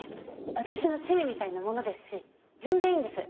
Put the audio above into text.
私の趣味みたいなものですし全然いいんです。